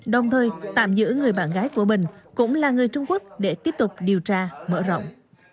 đồng thời tạm giữ người bạn gái của bình cũng là người trung quốc để tiếp tục điều tra mở rộng